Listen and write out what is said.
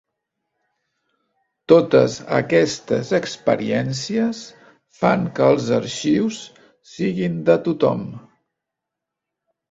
Totes aquestes experiències fan que els arxius siguin de tothom.